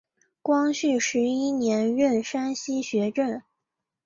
光绪十一年任山西学政。